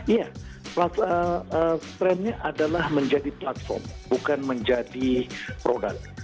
ya trennya adalah menjadi platform bukan menjadi produk